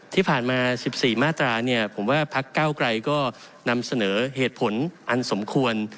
ที่ผ่านมา๑๔มาตราเนี่ยผมว่าพักเก้าไกรก็นำเสนอเหตุผลอันสมควร